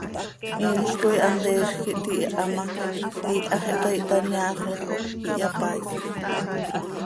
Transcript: Inl coi hanteezj quih tihiiha ma, iihax ihtaai, ihtaneaaxot, ihyapaaisx.